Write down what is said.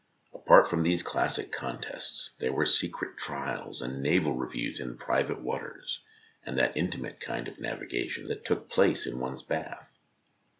Apart from these classic contests there were secret trials and naval reviews in private waters, and that intimate kind of navigation that took place in one's bath.